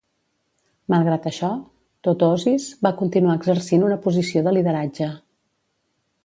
Malgrat això, Tootoosis va continuar exercint una posició de lideratge